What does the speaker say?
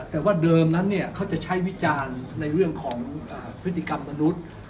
แต่ว่าเดิมนั้นเขาจะใช้วิจารณ์ในเรื่องของพฤติกรรมมนุษย์